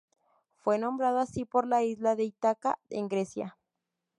Fue nombrado así por la isla de Ítaca en Grecia.